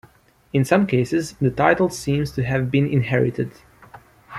In some cases, the title seems to have been inherited.